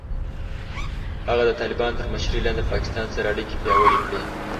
هغه د طالبانو تر مشرۍ لاندې د پاکستان سره اړیکې پیاوړې کړې.